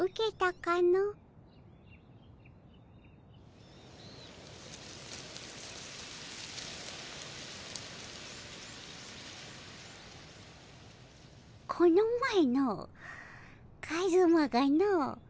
この前のカズマがの。